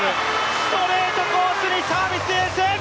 ストレートコースにサービスエース！